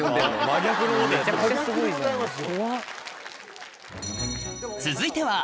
真逆でございます。